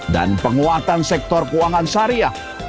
dan penguatan sektor keuangan syariah